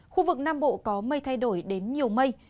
khu vực nam bộ có mây thay đổi đến nhiều mây